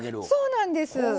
そうなんです。